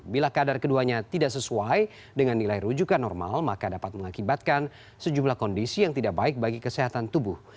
bila kadar keduanya tidak sesuai dengan nilai rujukan normal maka dapat mengakibatkan sejumlah kondisi yang tidak baik bagi kesehatan tubuh